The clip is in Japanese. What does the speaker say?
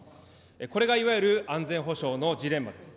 これがいわゆる安全保障のジレンマです。